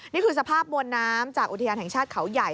นี่คือสภาพมวลน้ำจากอุทยานแห่งชาติเขาใหญ่